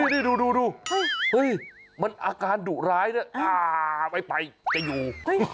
นี่ดูเฮ้ยมันอาการดุร้ายเนี่ยไปจะอยู่